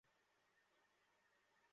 কিন্তু তাদের এ দলীল যথার্থ নয়।